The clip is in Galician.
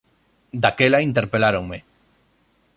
Daquela interpeláronme.